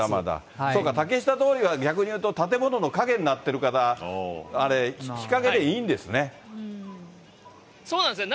そうか、竹下通りは逆にいうと、建物の影になってるから、そうなんですね。